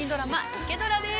「イケドラ」です。